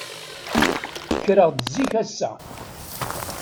Kkreɣ-d zik ass-a.